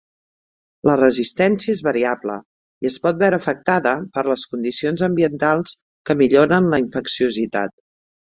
La resistència és variable i es pot veure afectada per les condicions ambientals que milloren la infecciositat.